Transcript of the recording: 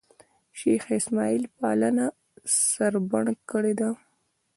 شېخ اسماعیل پالنه سړبن کړې ده.